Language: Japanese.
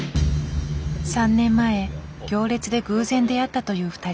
３年前行列で偶然出会ったという２人。